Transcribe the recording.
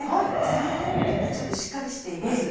触ってみるとねちょっとしっかりしています。